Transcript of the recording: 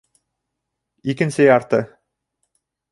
Икенсе ярты